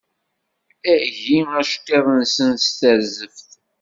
Agi aceṭṭiḍ-nsen d terzeft.